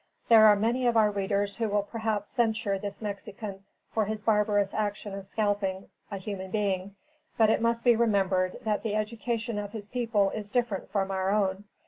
There are many of our readers who will perhaps censure this Mexican for his barbarous action of scalping a human being, but it must be remembered that the education of his people is different from our own.